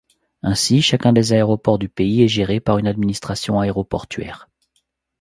Ainsi, chacun des aéroports du pays est géré par une administration aéroportuaire.